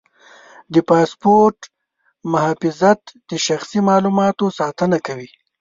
د پاسورډ محافظت د شخصي معلوماتو ساتنه کوي.